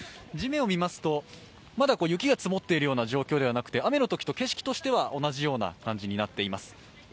地面を見ますと、まだ雪が積もっているような状況ではなくて、雨のときと景色としては同じような状況になっています。